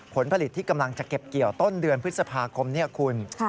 ผลผลิตที่กำลังจะเก็บเกี่ยวต้นเดือนพฤษภาคมเนี่ยคุณ